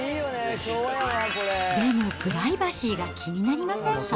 でもプライバシーが気になりませんか？